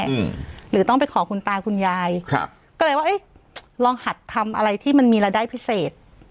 อืมหรือต้องไปขอคุณตาคุณยายครับก็เลยว่าเอ๊ะลองหัดทำอะไรที่มันมีรายได้พิเศษ